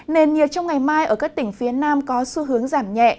nền nhiệt trong ngày mai ở các tỉnh phía nam có xu hướng giảm nhẹ